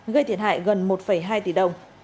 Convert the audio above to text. gây thiệt hại gần một hai tỷ đồng